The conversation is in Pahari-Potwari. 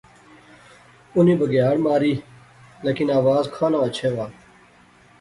اُنی بگیاڑ ماری۔۔۔ لیکن آواز کھاناں اچھے وہا